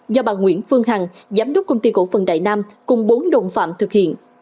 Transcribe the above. do bà nguyễn phương hằng giám đốc công ty cổ phần đại nam cùng bốn đồng phạm thực hiện